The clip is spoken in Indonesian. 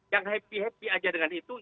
yang happy happy aja dengan itu